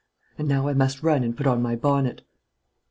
And now I must run and put on my bonnet."